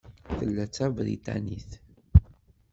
Tella d Tabriṭanit.